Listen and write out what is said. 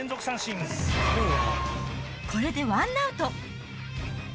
これでワンアウト。